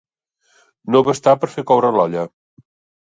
No bastar per fer coure l'olla.